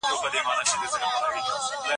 سبزېجات د مور له خوا پاخلي کيږي.